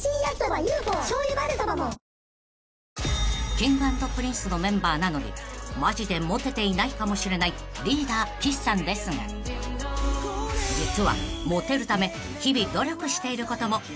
［Ｋｉｎｇ＆Ｐｒｉｎｃｅのメンバーなのにマジでモテていないかもしれないリーダー岸さんですが実はモテるため日々努力していることもあるそうで］